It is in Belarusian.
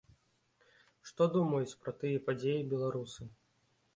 Што думаюць пра тыя падзеі беларусы?